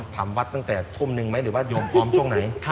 ทำวัดตั้งแต่ทุ่มหนึ่งไหมหรือว่าโยมพร้อมช่วงไหน